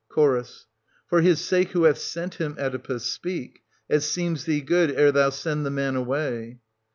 Ch. For his sake who hath sent him, Oedipus, speak, as seems thee good, ere thou send the man away.